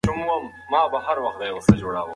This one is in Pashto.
د اقتصادي پرمختګ لپاره پلان جوړ شي.